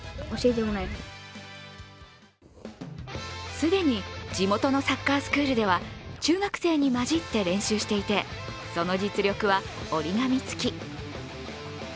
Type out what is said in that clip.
既に地元のサッカースクールでは中学生に交じって練習していてその実力は折り紙つき。